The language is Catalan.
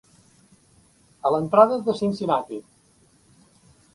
A l'entrada de Cincinnati.